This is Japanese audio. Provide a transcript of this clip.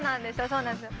そうなんですよ